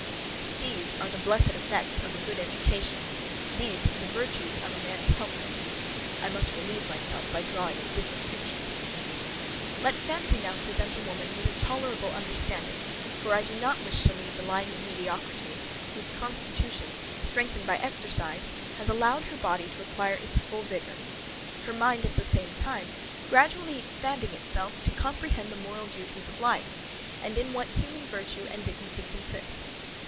These are the blessed effects of a good education! these the virtues of man's helpmate. I must relieve myself by drawing a different picture. Let fancy now present a woman with a tolerable understanding, for I do not wish to leave the line of mediocrity, whose constitution, strengthened by exercise, has allowed her body to acquire its full vigour; her mind, at the same time, gradually expanding itself to comprehend the moral duties of life, and in what human virtue and dignity consist.